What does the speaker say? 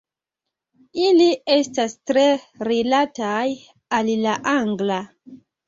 Ili estas tre rilataj al la angla.